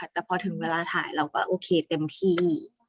แต่พอถึงเวลาถ่ายเราก็โอเคเต็มที่